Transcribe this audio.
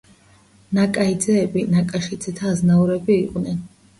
ნაკაიძეები ნაკაშიძეთა აზნაურები იყვნენ.